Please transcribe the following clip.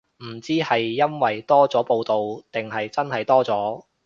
唔知係因為多咗報導定係真係多咗